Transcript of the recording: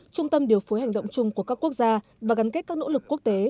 trung tâm điều phối hành động chung của các quốc gia và gắn kết các nỗ lực quốc tế